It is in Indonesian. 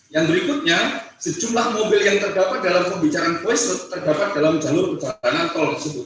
yang berikutnya sejumlah mobil yang terdapat dalam pembicaraan voice root terdapat dalam jalur perjalanan tol tersebut